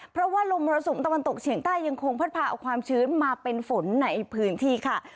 เพราะว่าลมมรสุมตะวันตกเฉียงใต้ยังคงพัดพาเอาความชื้นมาเป็นฝนในพื้นที่ค่ะ